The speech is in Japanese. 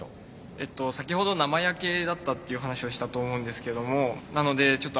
えっと先ほど生焼けだったっていう話をしたと思うんですけどもなのでちょっと